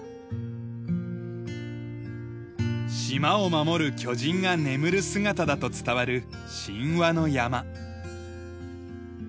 島を守る巨人が眠る姿だと伝わる神話の山。